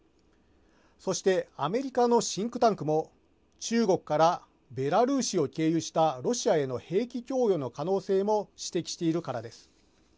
そしてアメリカのシンクタンクも中国からベラルーシを経由したロシアへの兵器供与の可能性も指摘しているからです。